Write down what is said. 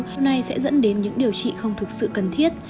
điều này sẽ dẫn đến những điều trị không thực sự cần thiết